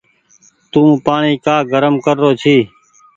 تو پآڻيٚ ڪآ گرم ڪر رو ڇي۔